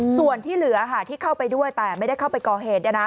ส่วนที่เหลือที่เข้าไปด้วยแต่ไม่ได้เข้าไปก่อเหตุ